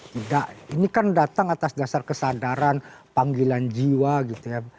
tidak ini kan datang atas dasar kesadaran panggilan jiwa gitu ya